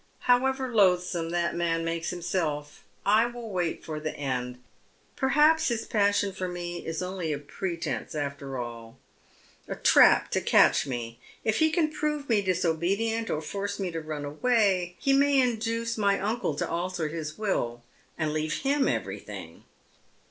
" However loathsome that man makes himself, I will wait for the end. Perhaps his passion for me is only a pretence, after all — a trap to catch me. If he can prove me disobedient, or force me to run away, ho may induce my uncle to alter his will, and leave him everything.